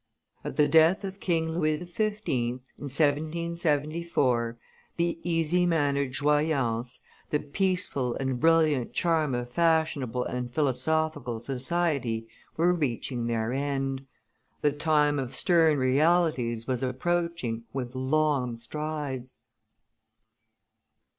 At the death of King Louis XV., in 1774, the easy mannered joyance, the peaceful and brilliant charm of fashionable and philosophical society were reaching their end: the time of stern realities was approaching with long strides.